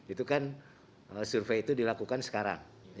itu kan survei itu dilakukan sekarang